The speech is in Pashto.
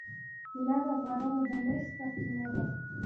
طلا د افغانانو د معیشت سرچینه ده.